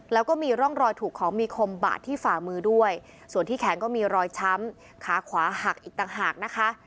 แล้วก็มีร่องรอยถูกของมีคมบาดที่ฝ่ามือด้วยส่วนที่แขนก็มีรอยช้ำขาขวาหักอีกต่างหากนะคะ